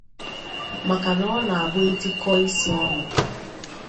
maka na ọ na-abụ e tikọọ isi ọnụ